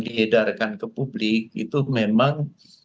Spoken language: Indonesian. diedarkan ke publik itu memang